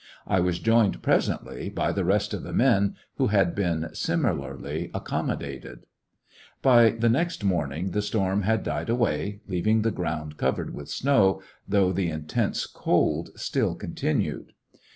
I was joined presently by the rest of the men, who had been similarly accommodated. Out of it alive By the next morning the storm had died away, leaving the ground covered with snow, though the intense cold still continued.